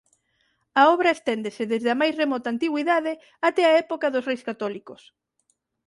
A obra esténdese desde a máis remota antigüidade até a época dos Reis Católicos.